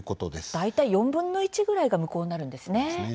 大体４分の１ぐらいが無効になるんですね。